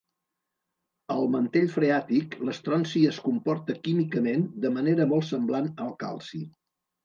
Al mantell freàtic, l'estronci es comporta químicament de manera molt semblant al calci.